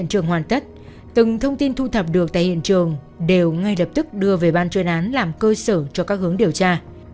trường hoàn tất từng thông tin thu thập được tại hiện trường đều ngay lập tức đưa về ban chuyên án làm cơ sở cho các hướng điều tra